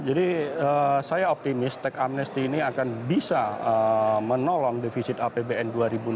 jadi saya optimis teks amnesti ini akan bisa menolong defisit apbn dua ribu enam belas